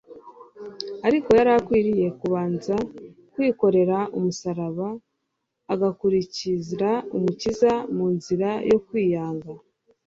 Ariko yari akwiriye kubanza kwikorera umusaraba, agakurikira Umukiza, mu nzira yo kwiyanga.